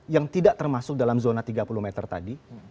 yang tidak termasuk dalam zona tiga puluh meter tadi